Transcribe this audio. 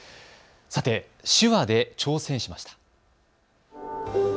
手話で挑戦しました。